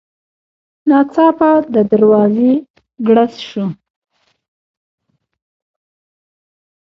ناڅاپه د دروازې ګړز شو.